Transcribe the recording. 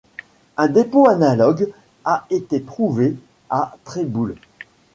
Un dépôt analogue a été trouvé à Tréboul.